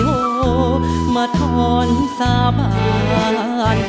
โอ้โหมาทอนสาบาน